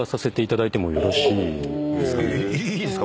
いいですか？